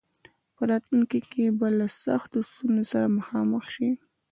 په راتلونکي کې به له سختو ستونزو سره مخامخ شي.